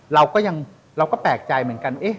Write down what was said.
เราก็ยังเราก็แปลกใจเหมือนกัน